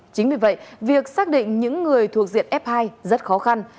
chính vì vậy việc xác định những người thuộc diện f hai rất khó khăn